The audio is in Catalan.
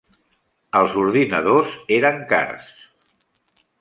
Els ordinadors eren cars.